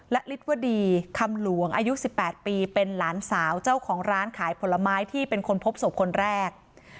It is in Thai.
และฤทธิวดีคำหลวงอายุ๑๘ปีเป็นหลานสาวเจ้าของร้านขายผลไม้ที่เป็นคนพบศพคนแรก